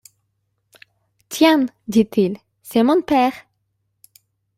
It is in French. Tiens! dit-il, c’est mon père !...